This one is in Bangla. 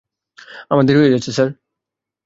আমার দেরি হয়ে যাচ্ছে, স্যার।